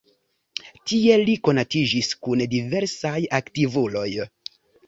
Tie li konatiĝis kun diversaj aktivuloj.